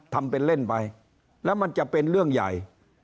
ทำเป็นเล่นไปแล้วมันจะเป็นเรื่องใหญ่